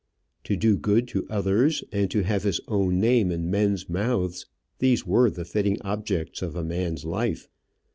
To do good to others, and to have his own name in men's mouths these were the fitting objects of a man's life.